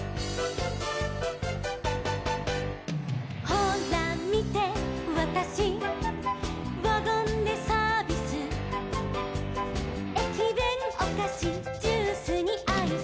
「ほらみてワタシワゴンでサービス」「えきべんおかしジュースにアイス」